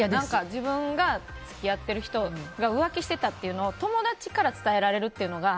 自分が付き合ってる人が浮気してたというのを友達から伝えられるというのが。